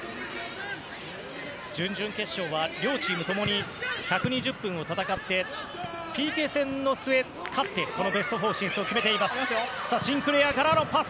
準々決勝は両チーム共に１２０分を戦ってＰＫ戦の末、勝ってベスト４進出を決めています。